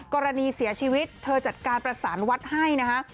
กรณีเสียชีวิตเธอจัดการประสานวัดให้นะคะ